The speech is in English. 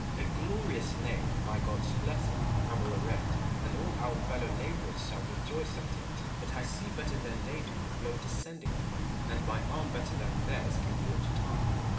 Cromvjell. A glorious name, by God's blessing, I will erect ; and all our fellow labourers shall rejoice at it : but J. 154 IMAGINARY CONVERSATIONS. see better than they do the blow descending on them, and my arm better then theirs can ward it off.